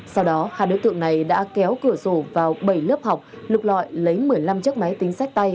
sau đó hai đối tượng này đã kéo cửa sổ vào bảy lớp học lực loại lấy một mươi năm chiếc máy tính sách tay